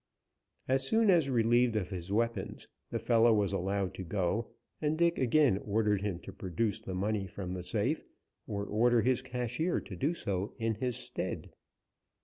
As soon as relieved of his weapons, the fellow was allowed to go, and Dick again ordered him to produce the money from the safe, or order his cashier to do so in his stead.